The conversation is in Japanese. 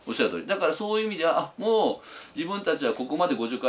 だからそういう意味ではあっもう自分たちはここまで互助会